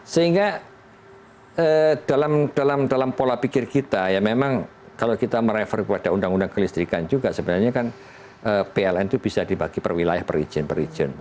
sehingga dalam pola pikir kita ya memang kalau kita merefer kepada undang undang kelistrikan juga sebenarnya kan pln itu bisa dibagi perwilayah perizinan perizin